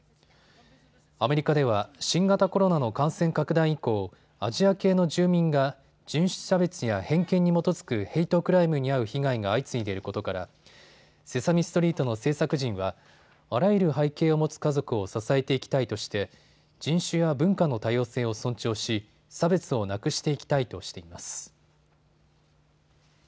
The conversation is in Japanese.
アメリカでは新型コロナの感染拡大以降、アジア系の住民が人種差別や偏見に基づくヘイトクライムに遭う被害が相次いでいることからセサミストリートの制作陣はあらゆる背景を持つ家族を支えていきたいとして人種や文化の多様性を尊重し差別をなくしていきたいとしています。